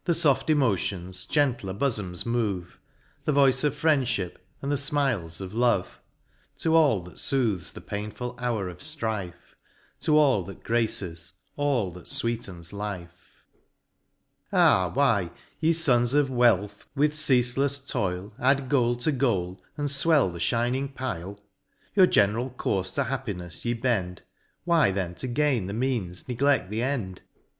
The foft emotions gentler bofoms move, The voice of FriendlLip, and the fmiles of Love ; To all that fooths the painful hour of ftrife ; To all that graces, all that fvveetens life. Ah ! why, ye Sons of Wealth, with ceafelefs toil, Add gold to gold, and fwell the fliining pile ? Your general courfe to happinefs ye bend. Why then to gain the means negle£t the end